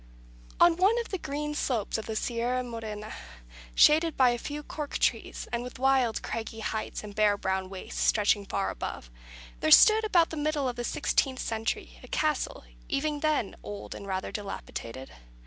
On one of the green slopes of the Sierra Morena, shaded by a few cork trees, and with wild craggy heights and bare brown wastes stretching far above, there stood, about the middle of the sixteenth century, a castle even then old and rather dilapidated.